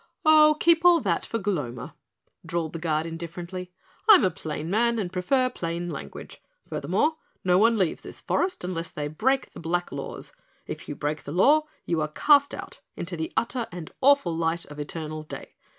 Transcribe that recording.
"Oh, keep all that for Gloma," drawled the Guard indifferently. "I'm a plain man and prefer plain language. Furthermore, no one leaves this forest unless they break the black laws. If you break the law you are cast out into the utter and awful light of eternal day.